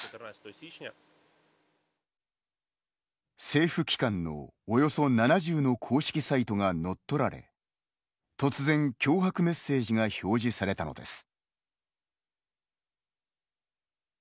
政府機関の、およそ７０の公式サイトが乗っ取られ突然、脅迫メッセージが表示されたのです。